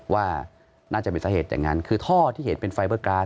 ว่าน่าจะเป็นสาเหตุอย่างนั้นคือท่อที่เห็นเป็นไฟเบอร์การ์ด